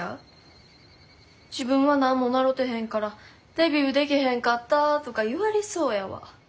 自分は何も習てへんからデビューでけへんかったとか言われそうやわ。